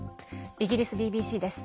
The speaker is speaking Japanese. イギリスＢＢＣです。